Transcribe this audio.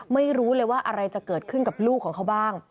ไม่รู้เลยว่าอะไรจะเกิดขึ้นกับลูกของเขาบ้าง